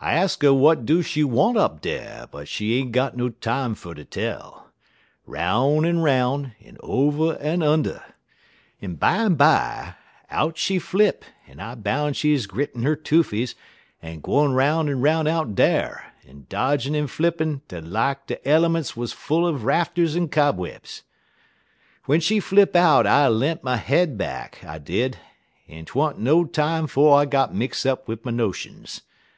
I ax 'er w'at do she want up dar, but she ain't got no time fer ter tell; 'roun' en 'roun', en over en under. En bimeby, out she flip, en I boun' she grittin' 'er toofies en gwine 'roun' en 'roun' out dar, en dodgin' en flippin' des lak de elements wuz full er rafters en cobwebs. "W'en she flip out I le'nt my head back, I did, en 't wa'n't no time 'fo' I git mix up wid my notions.